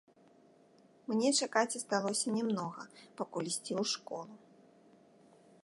Мне чакаць асталося не многа, пакуль ісці ў школу.